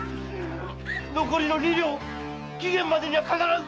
残りの二両期限までには必ず！